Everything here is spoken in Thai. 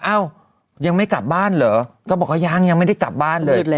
เอ้ายังไม่กลับบ้านเหรอก็บอกว่ายังยังไม่ได้กลับบ้านเลย